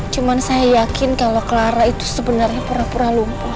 cuma saya yakin kalau clara itu sebenarnya pura pura lumpuh